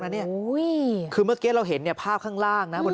นะเนี่ยคือเมื่อเกียร่าเห็นเนี่ยภาพข้างล่างนะบนพื้น